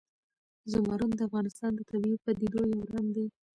زمرد د افغانستان د طبیعي پدیدو یو رنګ دی.